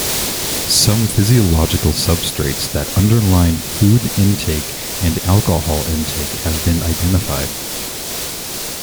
Some physiological substrates that underlie food intake and alcohol intake have been identified.